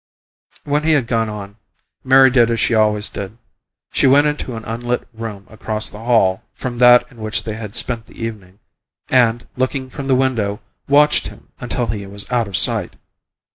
When he had gone on, Mary did as she always did she went into an unlit room across the hall from that in which they had spent the evening, and, looking from the window, watched him until he was out of sight.